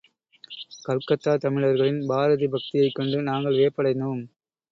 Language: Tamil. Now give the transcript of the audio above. கல்கத்தா தமிழர்களின் பாரதி பக்தியைக் கண்டு நாங்கள் வியப்படைந்தோம்.